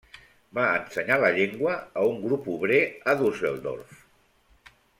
Va ensenyar la llengua a un grup obrer a Düsseldorf.